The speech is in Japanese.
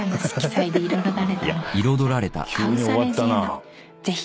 急に終わったな。